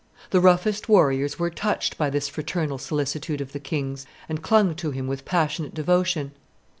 The roughest warriors were touched by this fraternal solicitude of the king's, and clung to him with passionate devotion.